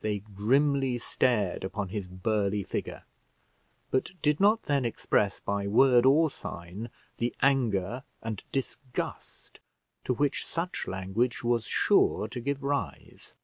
They grimly stared upon his burly figure, but did not then express, by word or sign, the anger and disgust to which such language was sure to give rise.